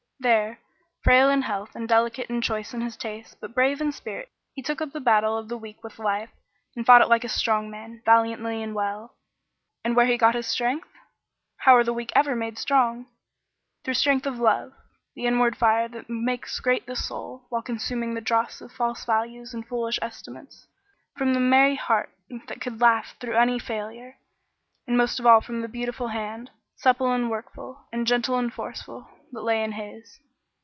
There, frail in health and delicate and choice in his tastes, but brave in spirit, he took up the battle of the weak with life, and fought it like a strong man, valiantly and well. And where got he his strength? How are the weak ever made strong? Through strength of love the inward fire that makes great the soul, while consuming the dross of false values and foolish estimates from the merry heart that could laugh through any failure, and most of all from the beautiful hand, supple and workful, and gentle and forceful, that lay in his.